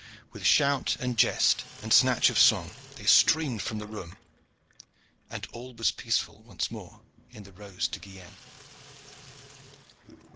With shout and jest and snatch of song they streamed from the room, and all was peaceful once more in the "Rose de Guienne."